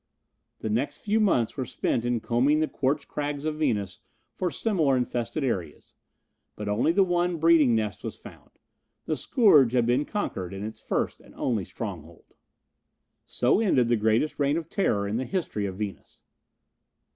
The next few months were spent in combing the quartz crags of Venus for similar infested areas, but only the one breeding nest was found. The scourge had been conquered in its first and only stronghold. So ended the greatest reign of terror in the history of Venus.